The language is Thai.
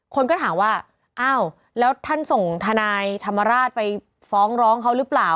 คนก็ถามว่าอ้าวแล้วท่านส่งทนายธรรมราชไปฟ้องร้องเขาหรือเปล่า